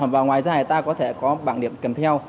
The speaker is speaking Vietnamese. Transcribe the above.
và ngoài ra ta có thể có bảng điểm kèm theo